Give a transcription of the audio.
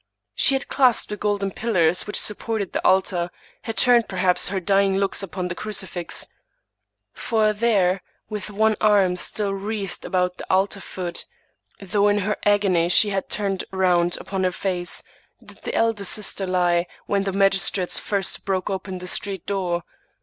She had clasped the golden pillars which supported the altar — ^had turned perhaps her dying looks upon the crucifix; for there, with one arm still wreathed about the altar foot, though in her agony she had turned round upon her face, did the elder sister lie when, the magistrates first broke open the street door.